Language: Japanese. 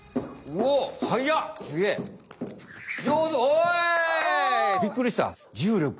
おお。びっくりした！